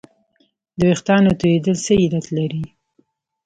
د وېښتانو تویدل څه علت لري